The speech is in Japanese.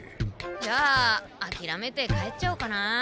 じゃああきらめて帰っちゃおうかな。